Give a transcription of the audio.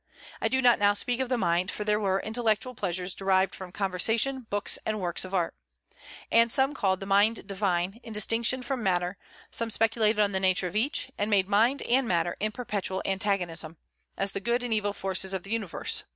I do not now speak of the mind, for there were intellectual pleasures derived from conversation, books, and works of art. And some called the mind divine, in distinction from matter; some speculated on the nature of each, and made mind and matter in perpetual antagonism, as the good and evil forces of the universe.